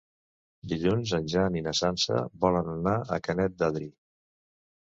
Dilluns en Jan i na Sança volen anar a Canet d'Adri.